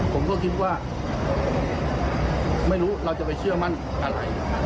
ผมก็คิดว่าไม่รู้เราจะไปเชื่อมั่นอะไร